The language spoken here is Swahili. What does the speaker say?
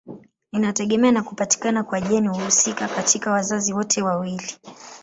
Inategemea na kupatikana kwa jeni husika katika wazazi wote wawili.